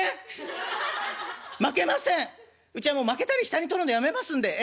うちはもうまけたり下に取るのやめますんでええ。